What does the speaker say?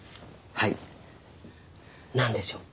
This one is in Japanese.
はい何でしょう？